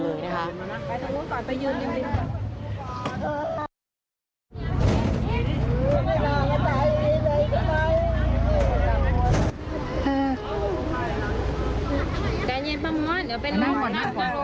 กลายเย็นประมาณเดี๋ยวเป็นร่างของน้ำก็ลง